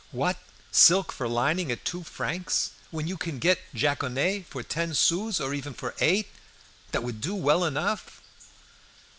What! silk for lining at two francs, when you can get jaconet for ten sous, or even for eight, that would do well enough!"